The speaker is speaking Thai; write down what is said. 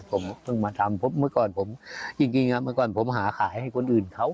ผมก็มาทำพบเมื่อก่อนผมจริงจริงงะเมื่อก่อนผมหาขายให้คนอื่นเขา